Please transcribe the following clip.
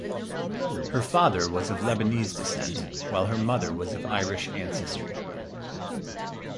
Her father was of Lebanese descent, while her mother was of Irish ancestry.